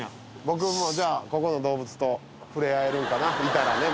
僕もじゃあここの動物と触れ合えるんかないたらね